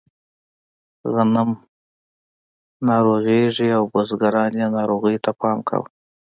غنم ناروغېږي او بزګرانو یې ناروغیو ته پام کاوه.